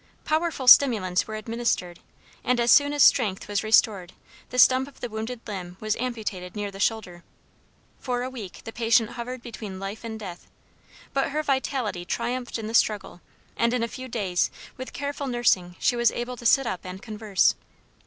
Powerful stimulants were administered, and as soon as strength was restored the stump of the wounded limb was amputated near the shoulder. For a week the patient hovered between life and death. But her vitality triumphed in the struggle, and in a few days, with careful nursing she was able to sit up and converse.